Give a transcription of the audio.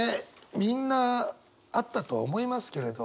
みんなあったとは思いますけれど。